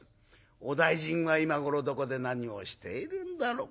お大尽は今頃どこで何をしているんだろう。